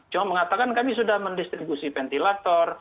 cuma mengatakan kami sudah mendistribusi ventilator